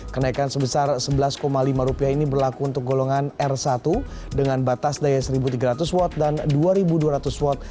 kenaikan sebesar sebelas lima rupiah ini berlaku untuk golongan r satu dengan batas daya seribu tiga ratus w dan dua ribu dua ratus w